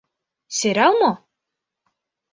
Сӧрал мо?